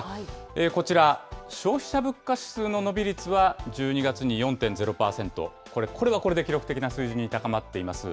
こちら、消費者物価指数の伸び率は１２月に４．０％、これ、これはこれで記録的な水準に高まっています。